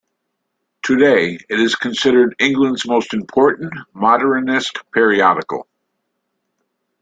Today, it is considered England's most important Modernist periodical.